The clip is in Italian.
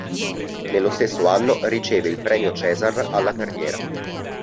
Nello stesso anno riceve il Premio César alla carriera.